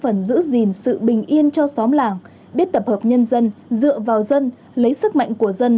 phần giữ gìn sự bình yên cho xóm làng biết tập hợp nhân dân dựa vào dân lấy sức mạnh của dân